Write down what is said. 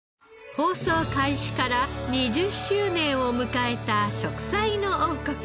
放送開始から２０周年を迎えた『食彩の王国』。